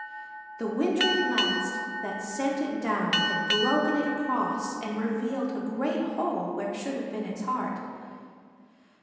The wintry blast that sent it down had broken it across and revealed a great hole where should have been its heart.